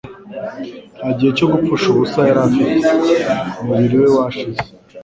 Nta gihe cyo gupfusha ubusa yari afite : umubiri we washize,